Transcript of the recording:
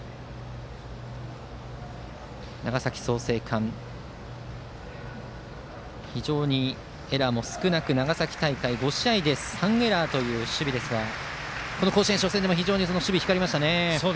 長崎・創成館は非常にエラーも少なく長崎大会５試合で３エラーという守備ですが甲子園初戦でも守備が光りました。